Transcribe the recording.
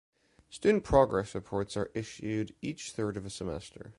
Student progress reports are issued each third of a semester.